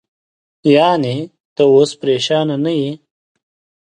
یعنې، ته اوس پرېشانه نه یې؟